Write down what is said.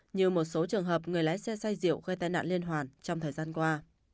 như một số trường hợp người lái xe xay rượu gây tai nạn liên hoàn trong thời gian qua